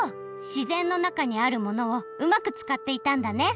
しぜんのなかにあるものをうまくつかっていたんだね